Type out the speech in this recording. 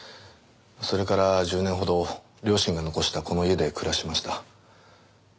それから１０年ほど両親が残したこの家で暮らしました。